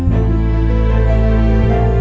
sekarang kembali ke plano